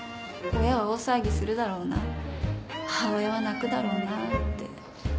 親は大騒ぎするだろうな母親は泣くだろうなって。